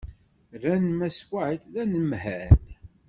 Rran Mass White d anemhal.